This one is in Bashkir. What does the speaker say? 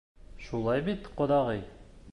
Шулай бит, ҡоҙағый?